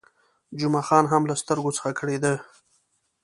جمعه خان هم له سترګو څخه کړېده.